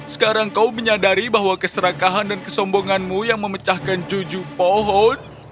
sekarang kau menyadari bahwa keserakahan dan kesombonganmu yang memecahkan juju pohon